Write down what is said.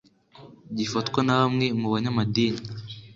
gifatwa na bamwe mu banyamadini